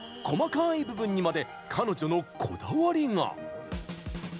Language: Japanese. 細かい部分にまで彼女のこだわりが。